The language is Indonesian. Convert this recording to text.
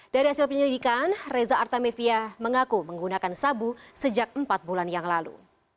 dari hasil penyelidikan reza artamevia mengaku menggunakan sabu sejak empat bulan yang lalu